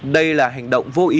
đây là hành động vô ý